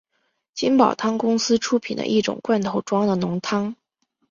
金宝汤公司出品的一种罐头装的浓汤。